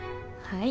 はい。